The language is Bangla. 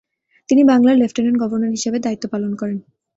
তিনি বাংলার লেফটেন্যান্ট গভর্নর হিসাবে দায়িত্ব পালন করেন।